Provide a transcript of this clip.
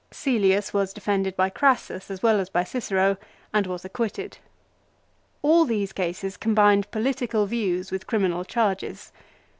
Caelius was defended by Crassus as well as by Cicero, and was acquitted. All these cases combined political views with criminal charges.